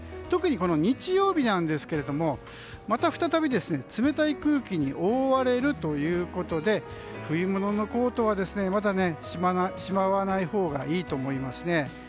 特に日曜日なんですがまた再び冷たい空気に覆われるということで冬物のコートはまだしまわないほうがいいと思います。